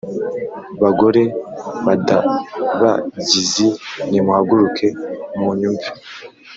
Bagore b’abadabagizi, nimuhaguruke munyumve!